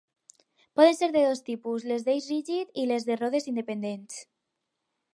Poden ser de dos tipus, les d'eix rígid i les de rodes independents.